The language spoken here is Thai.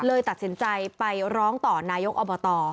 เลยตัดสินใจไปร้องต่อนายกอบต